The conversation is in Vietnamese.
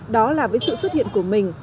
đó là với sự xuất hiện của mình